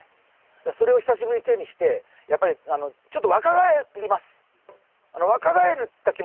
それを久しぶりに手にしてやっぱりちょっと若返ります。